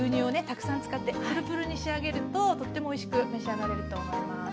たくさん使ってプルプルに仕上げるととってもおいしく召し上がれると思います。